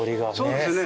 そうですね。